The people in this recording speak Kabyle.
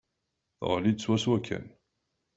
Teɣli-d swaswa kan.